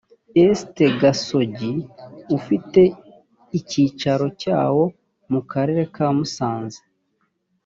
esth gasogi ufite icyicaro cyawo mu karere ka musanze